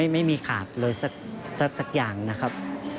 ไม่มีขาดเลยสักอย่างนะครับ